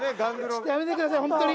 やめてくださいホントに。